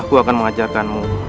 aku akan mengajarkanmu